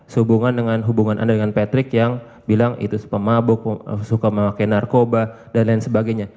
sehubungan dengan hubungan anda dengan patrick yang bilang itu pemabuk suka memakai narkoba dan lain sebagainya